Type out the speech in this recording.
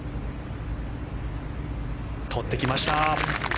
とってきました。